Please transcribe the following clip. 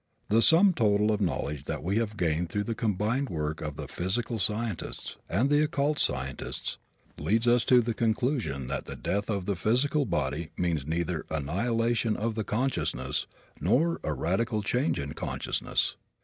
The sum total of the knowledge that we have gained through the combined work of the physical scientists and the occult scientists leads us to the conclusion that the death of the physical body means neither the annihilation of consciousness nor a radical change in consciousness.